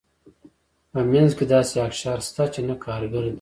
په منځ کې داسې اقشار شته چې نه کارګر دي.